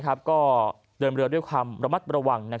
ก็เดินเรือด้วยความระมัดระวัง